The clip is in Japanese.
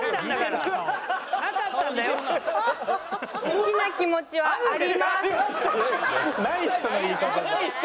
好きな気持ちはあります。